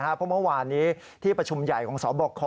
เพราะเมื่อวานนี้ที่ประชุมใหญ่ของสบค